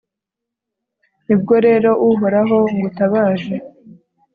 ni bwo rero, uhoraho, ngutabaje